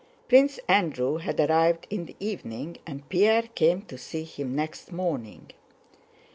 Prince Andrew had arrived in the evening and Pierre came to see him next morning.